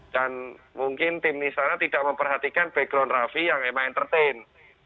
dan mungkin tim istana tidak memperhatikan background rafi yang emang entertain